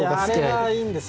いやあれがいいんですよ。